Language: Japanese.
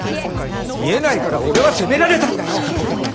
見えないから俺は責められたんだよ！